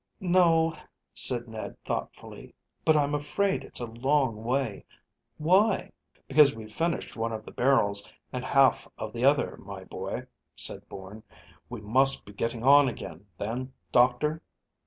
"No," said Ned thoughtfully, "but I'm afraid it's a long way. Why?" "Because we've finished one of the barrels and half of the other, my boy," said Bourne. "We must be getting on again, then, doctor?"